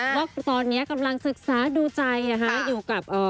ว่าตอนนี้กำลังศึกษาดูใจนะคะอยู่กับ